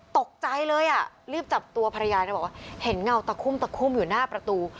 ตกใจเลยอ่ะรีบจับตัวภรรยาเลยบอกว่าเห็นเงาตะคุ่มตะคุ่มอยู่หน้าประตู